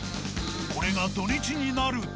これが土日になると。